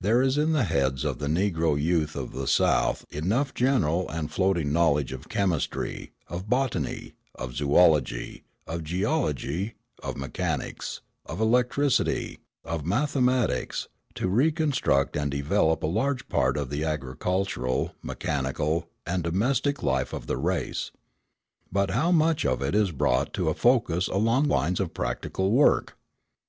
There is in the heads of the Negro youth of the South enough general and floating knowledge of chemistry, of botany, of zoölogy, of geology, of mechanics, of electricity, of mathematics, to reconstruct and develop a large part of the agricultural, mechanical, and domestic life of the race. But how much of it is brought to a focus along lines of practical work?